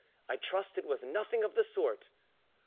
" I trust it was nothing of the sort."